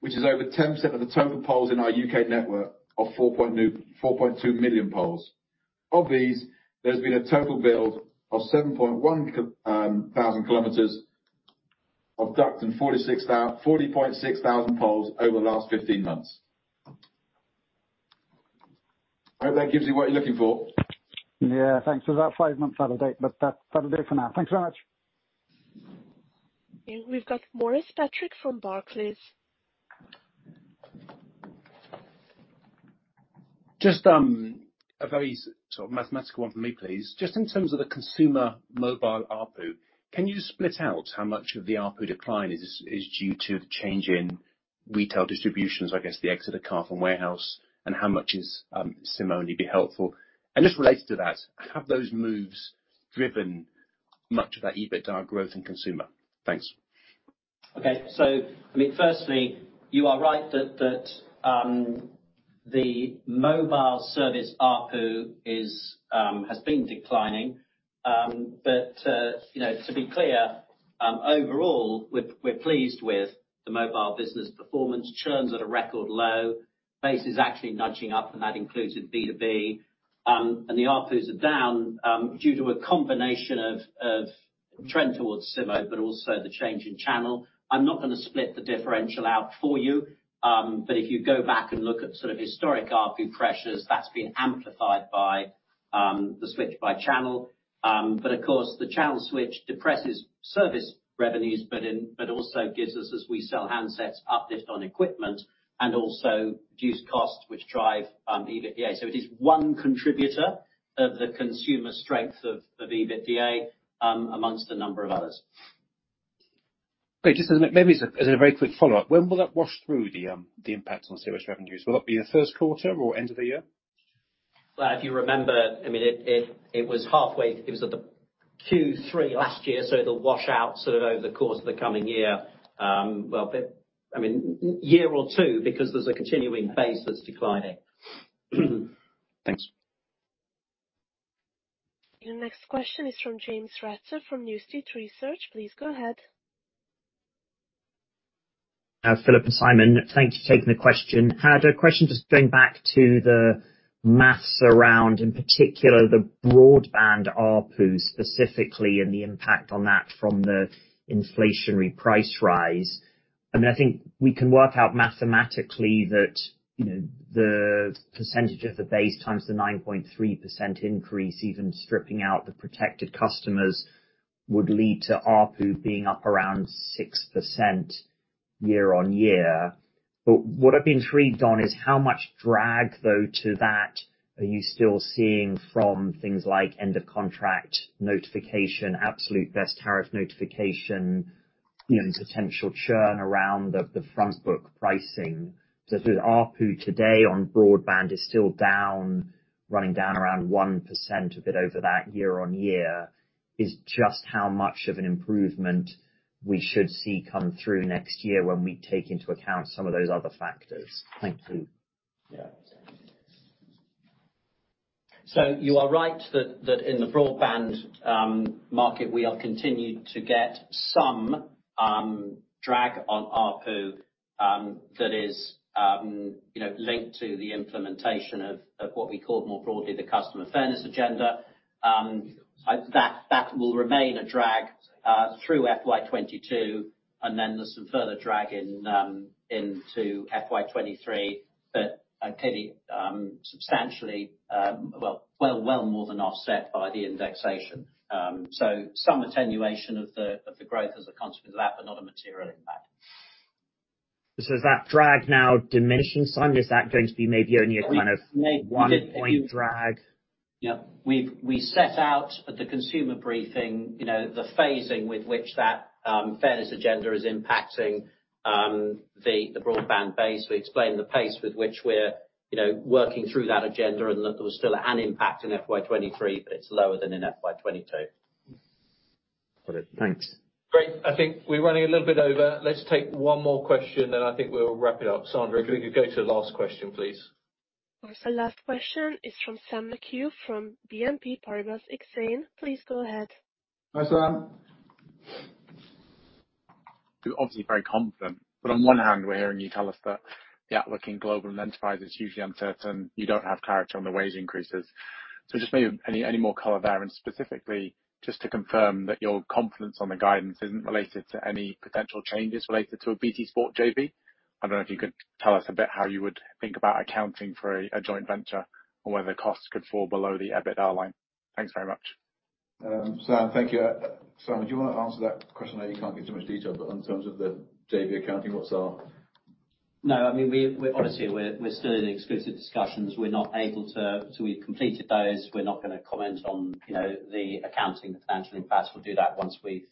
Speaker 3: which is over 10% of the total poles in our U.K. network of 4.2 million poles. Of these, there's been a total build of 7.1 thousand kilometers of duct and 40.6 thousand poles over the last 15 months. I hope that gives you what you're looking for.
Speaker 12: Yeah, thanks. That's five months out of date, but that's out of date for now. Thanks very much.
Speaker 1: We've got Maurice Patrick from Barclays.
Speaker 13: Just a very sort of mathematical one for me, please. Just in terms of the consumer mobile ARPU, can you split out how much of the ARPU decline is due to the change in retail distributions, I guess the exit of Carphone Warehouse, and how much is SIM-only? Be helpful? Just related to that, have those moves driven much of that EBITDA growth in consumer? Thanks.
Speaker 5: Okay. I mean, firstly, you are right that the mobile service ARPU has been declining. To be clear, overall, we're pleased with the mobile business performance. Churn's at a record low. Base is actually nudging up, and that includes in B2B. The ARPUs are down due to a combination of trend towards SIM-only, but also the change in channel. I'm not gonna split the differential out for you, but if you go back and look at sort of historic ARPU pressures, that's been amplified by the switch by channel. Of course, the channel switch depresses service revenues, but also gives us, as we sell handsets, uplift on equipment and also reduced costs, which drive the EBITDA. It is one contributor of the consumer strength of EBITDA among a number of others.
Speaker 13: Great. Just as a very quick follow-up, when will that wash through the impact on service revenues? Will it be in the first quarter or end of the year?
Speaker 5: Well, if you remember, I mean, it was halfway. It was at the Q3 last year, so it'll wash out sort of over the course of the coming year. Well, I mean, year or two, because there's a continuing base that's declining.
Speaker 13: Thanks.
Speaker 1: Your next question is from James Ratzer from New Street Research. Please go ahead.
Speaker 14: Philip and Simon, thank you for taking the question. I had a question just going back to the maths around, in particular, the broadband ARPU specifically and the impact on that from the inflationary price rise. I mean, I think we can work out mathematically that the percentage of the base times the 9.3% increase, even stripping out the protected customers, would lead to ARPU being up around 6% year-on-year. But what I've been intrigued on is how much drag, though, to that are you still seeing from things like end of contract notification, absolute best tariff notification, and potential churn around the front book pricing. With ARPU today on broadband is still down, running down around 1%, a bit over that year-on-year. It's just how much of an improvement we should see come through next year when we take into account some of those other factors? Thank you.
Speaker 5: Yeah. You are right that in the broadband market, we have continued to get some drag on ARPU that is, linked to the implementation of what we call more broadly the customer fairness agenda. That will remain a drag through FY 2022, and then there's some further drag into FY 2023, but it'll be substantially more than offset by the indexation. Some attenuation of the growth as a consequence of that, but not a material impact.
Speaker 14: Does that drag now diminish, Simon? Is that going to be maybe only a kind of one-point drag?
Speaker 5: We've set out at the consumer briefing, the phasing with which that fairness agenda is impacting the broadband base. We explained the pace with which we're, working through that agenda and that there was still an impact in FY 2023, but it's lower than in FY 2022.
Speaker 14: Got it. Thanks. Great.
Speaker 2: I think we're running a little bit over. Let's take one more question, then I think we'll wrap it up. Sandra, could we go to the last question, please?
Speaker 1: Of course. The last question is from Sam McHugh from BNP Paribas Exane. Please go ahead.
Speaker 3: Hi, Sam.
Speaker 15: You're obviously very confident, but on one hand, we're hearing you tell us that the outlook in global enterprises is hugely uncertain. You don't have clarity on the wage increases. Just maybe any more color there, and specifically just to confirm that your confidence on the guidance isn't related to any potential changes related to a BT Sports JV. I don't know if you could tell us a bit how you would think about accounting for a joint venture or whether costs could fall below the EBITDA line. Thanks very much.
Speaker 3: Sam, thank you. Simon, do you wanna answer that question? I know you can't give too much detail, but in terms of the JV accounting, what's our...
Speaker 5: No, I mean, we're honestly still in exclusive discussions. We're not able to till we've completed those, we're not gonna comment on the accounting potential impact. We'll do that once we've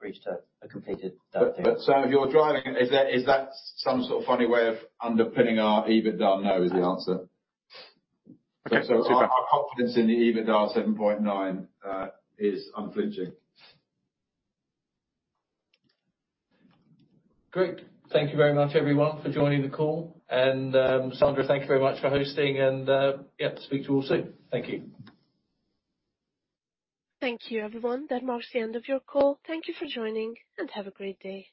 Speaker 5: reached a completed deal.
Speaker 3: Sam, if you're driving, is that some sort of funny way of underpinning our EBITDA? No, is the answer. Our confidence in the EBITDA 7.9 is unflinching.
Speaker 2: Great. Thank you very much everyone for joining the call, and Sandra, thank you very much for hosting and, yeah, speak to you all soon. Thank you.
Speaker 1: Thank you, everyone. That marks the end of your call. Thank you for joining, and have a great day.